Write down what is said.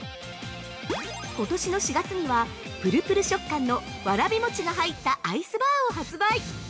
ことしの４月にはぷるぷる食感のわらび餅が入ったアイスバーを発売。